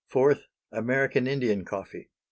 American Indian Coffee.